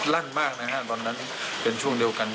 ลั่นมากนะฮะตอนนั้นเป็นช่วงเดียวกัน